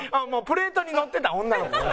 プレートにのってた女の子が。